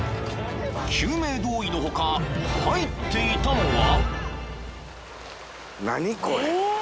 ［救命胴衣の他入っていたのは？］